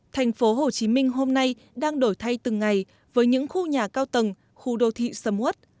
thành phố hồ chí minh hôm nay đang đổi thay từng ngày với những khu nhà cao tầng khu đô thị sầm út